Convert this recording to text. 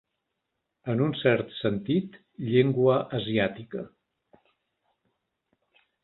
En un cert sentit, llengua asiàtica.